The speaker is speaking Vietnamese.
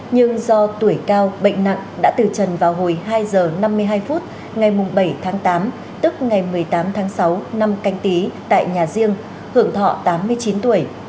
nhưng do tuổi cao bệnh nặng đã từ trần vào hồi hai h năm mươi hai phút ngày bảy tháng tám tức ngày một mươi tám tháng sáu năm canh tí tại nhà riêng hưởng thọ tám mươi chín tuổi